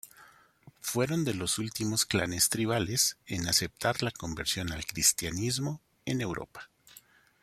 Fueron de los últimos clanes tribales en aceptar la conversión al Cristianismo en Europa.